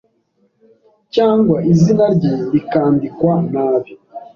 cyangwa izina rye rikandikwa nabi